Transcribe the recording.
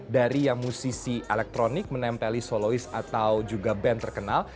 dari yang musisi elektronik menempeli soloist atau juga band terkenal